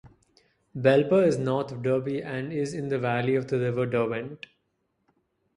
Belper is north of Derby and is in the valley of the River Derwent.